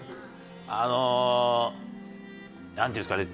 あのなんていうんですかね。